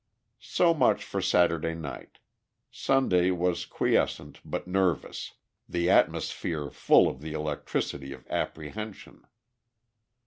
So much for Saturday night. Sunday was quiescent but nervous the atmosphere full of the electricity of apprehension.